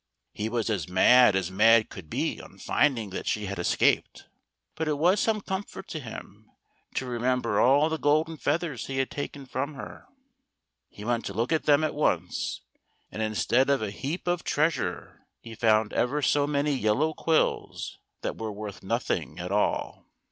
He was as mad as mad could be on finding that she had escaped ; but it was some comfort to him to remember all the golden feathers he had taken from her. He went to look at them at once, and instead of a heap of treasure he found ever so many yellow quills that were worth nothing at all.